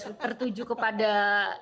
ini tertuju kepada pia grinta